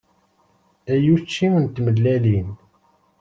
Ay učči n tmellalin.